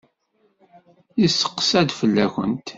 Yesteqsa-d fell-akent.